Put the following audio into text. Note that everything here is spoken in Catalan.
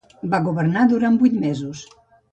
Va governar durant vuit mesos.